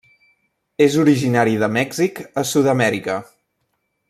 És originari de Mèxic a Sud-amèrica.